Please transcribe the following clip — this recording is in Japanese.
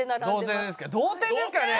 同点ですかね！？